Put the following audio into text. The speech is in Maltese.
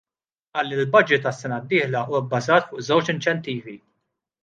Qal li l-baġit għas-sena d-dieħla huwa bbażat fuq żewġ inċentivi.